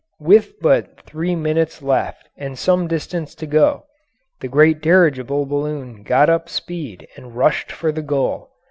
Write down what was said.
With but three minutes left and some distance to go, the great dirigible balloon got up speed and rushed for the goal.